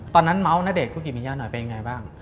เมาส์ณเดชนคุกิมิยะหน่อยเป็นยังไงบ้าง